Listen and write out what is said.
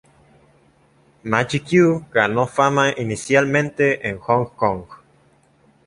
Maggie Q ganó fama inicialmente en Hong Kong.